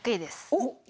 おっ！